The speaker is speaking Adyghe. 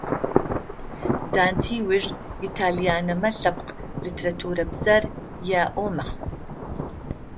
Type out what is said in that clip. Данте ыуж итальянмэ лъэпкъ литературабзэр яӏэу мэхъу.